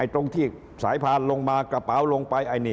ตรงที่สายพานลงมากระเป๋าลงไป